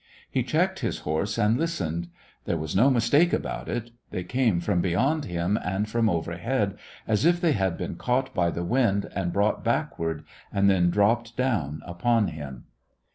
He checked his horse and listened. There was no mistake about it. They came from beyond him and from overhead, as if they had been caught by the wind and brought back ward, and then dropped down upon him.